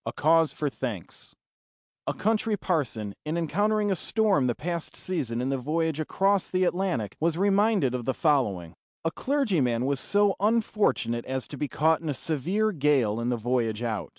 A CAUSE FOR THANKS A country parson, in encountering a storm the past season in the voyage across the Atlantic, was reminded of the following: A clergyman was so unfortunate as to be caught in a severe gale in the voyage out.